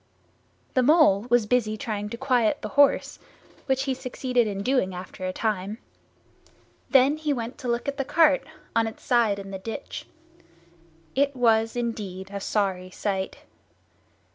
The Mole was busy trying to quiet the horse, which he succeeded in doing after a time. Then he went to look at the cart, on its side in the ditch. It was indeed a sorry sight.